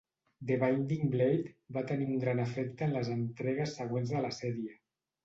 "The Binding Blade" va tenir un gran efecte en les entregues següents de la sèrie.